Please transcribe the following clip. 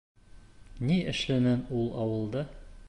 Ни эшләнең ул ауылда!